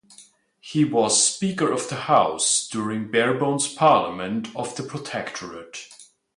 He was Speaker of the House during Barebone's Parliament of The Protectorate.